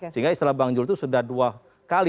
sehingga istilah bang jul itu sudah dua kali